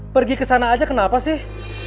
pergi ke sana aja kenapa sih